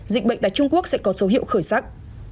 dịch bệnh tại trung quốc sẽ có dấu hiệu khởi sắc